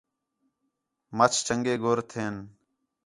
مچھ چنڳے گُر ہتھین